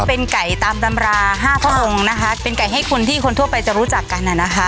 เป็นไก่ตามตำราห้าพระองค์นะคะเป็นไก่ให้คนที่คนทั่วไปจะรู้จักกันอ่ะนะคะ